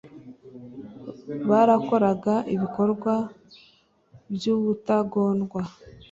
barakoraga ibikorwa by ubutagondwa